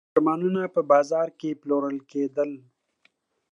د پاچا فرمانونه په بازارونو کې پلورل کېدل.